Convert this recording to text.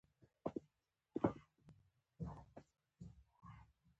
د نظریې دقیق درک همداسې کیږي.